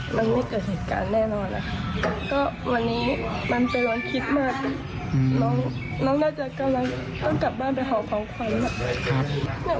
มันไม่เกิดเหตุการณ์แน่นอนนะคะก็วันนี้มันเป็นวันคิดมากน้องน่าจะกำลังต้องกลับบ้านไปหอบของขวัญ